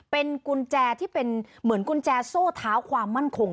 เป็นกุญแจที่เป็นเหมือนกุญแจโซ่เท้าความมั่นคง